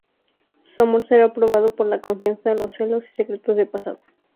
Su amor será probado por la confianza, los celos y secretos del pasado.